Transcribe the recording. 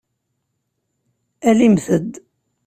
Alimt-d!